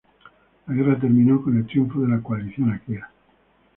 La guerra terminó con el triunfo de la coalición aquea.